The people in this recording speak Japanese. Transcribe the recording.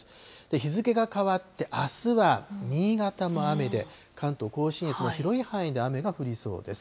日付が変わって、あすは新潟も雨で、関東甲信越の広い範囲で雨が降りそうです。